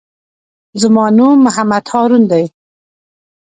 زما نوم محمد هارون دئ.